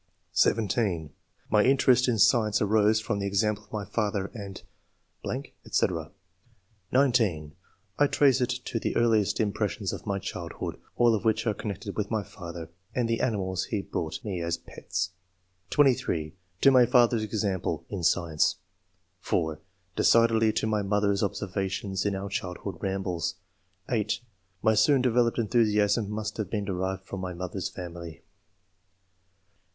[chap. father's iuflueuce. (17) My interest in science arose from the example of my father, and .... Ac (19) I trace it to the earliest im prossions of ray childhood, all of which are connected witli my father and the animals he brought me as pets. (23) To my father's u.tnniple (in science). (4) Decidedly to my mother's observations in our childhood ramblea (8) Sly soon developed enthusiasm must have been derived from my mother's fiamUy.